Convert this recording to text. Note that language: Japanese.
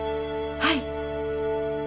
はい。